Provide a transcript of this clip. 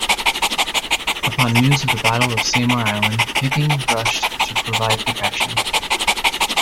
Upon news of the Battle off Samar Island, "Picking" rushed to provide protection.